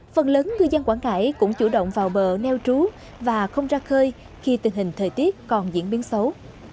phần lớn ngư dân quảng ngãi cũng chủ động vào bờ neo trú và không ra khơi khi tình hình thời tiết còn diễn biến xấu